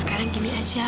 sekarang gini aja